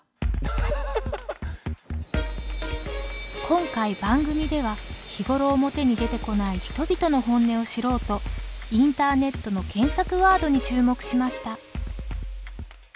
今回番組では日頃表に出てこない人々の本音を知ろうとインターネットの検索ワードに注目しました。